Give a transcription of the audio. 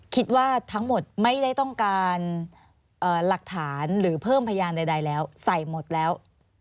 คิดว่าทั้งหมดไม่ได้ต้องการหลักฐานหรือเพิ่มพยานใดแล้วใส่หมดแล้ว